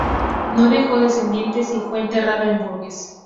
No dejó descendientes y fue enterrado en Bourges.